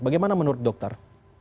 bagaimana menurut dokter